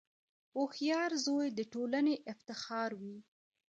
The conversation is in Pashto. • هوښیار زوی د ټولنې افتخار وي.